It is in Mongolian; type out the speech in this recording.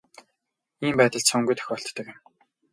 Ийм байдал цөөнгүй тохиолддог юм.